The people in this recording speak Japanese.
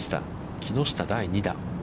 木下、第２打。